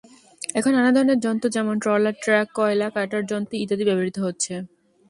এখন নানা ধরনের যন্ত্র যেমন: ট্রলার, ট্রাক, কয়লা কাটার যন্ত্র ইত্যাদি ব্যবহৃত হচ্ছে।